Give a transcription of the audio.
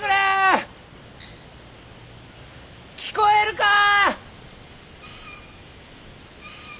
聞こえるかー！？